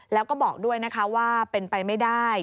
แล้วก็บอกด้วยนะคะว่าเป็นไปไม่ได้